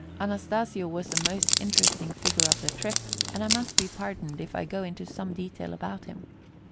Anastasio was the most interesting figure of the trip, and I must be pardoned if I go into some detail about him.